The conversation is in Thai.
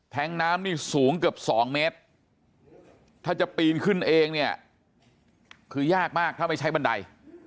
น้ำนี่สูงเกือบ๒เมตรถ้าจะปีนขึ้นเองเนี่ยคือยากมากถ้าไม่ใช้บันได